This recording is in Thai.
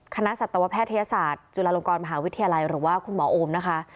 สัตวแพทยศาสตร์จุฬาลงกรมหาวิทยาลัยหรือว่าคุณหมอโอมนะคะ